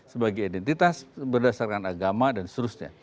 sebagai identitas berdasarkan agama dan seterusnya